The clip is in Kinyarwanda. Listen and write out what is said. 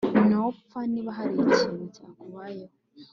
Nopfa niba hari ikintu cyakubayeho